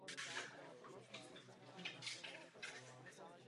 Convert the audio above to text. Program Space Shuttle tím definitivně skončil.